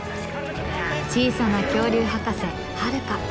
小さな恐竜博士ハルカ。